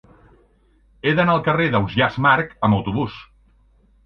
He d'anar al carrer d'Ausiàs Marc amb autobús.